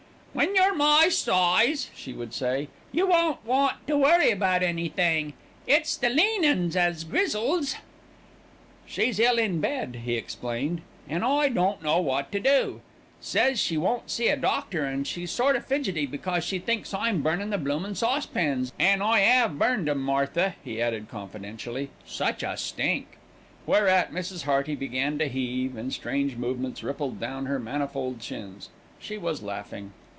"When you're my size," she would say, "you won't want to worry about anything; it's the lean 'uns as grizzles." "She's ill in bed," he explained, "an' I don't know wot to do. Says she won't see a doctor, an' she's sort o' fidgetty because she thinks I'm burnin' the bloomin' saucepans an' I 'ave burned 'em, Martha," he added confidentially. "Such a stink." Whereat Mrs. Hearty began to heave, and strange movements rippled down her manifold chins. She was laughing.